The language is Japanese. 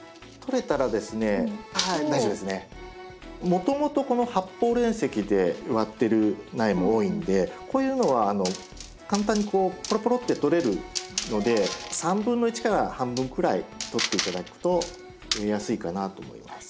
もともとこの発泡煉石で植わってる苗も多いのでこういうのは簡単にポロポロって取れるので1/3から半分くらい取って頂くと植えやすいかなと思います。